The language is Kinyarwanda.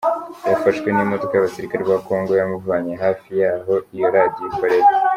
Yafahwe n’imodoka y’abasirikare ba Congo yamuvanye hafi y’aho iyo radiyo ikorera.